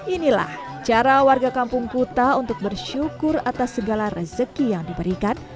inilah cara warga kampung kuta untuk bersyukur atas segala rezeki yang diberikan